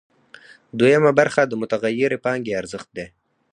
دویمه برخه د متغیرې پانګې ارزښت دی